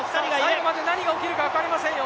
最後まで何が起きるか分かりませんよ。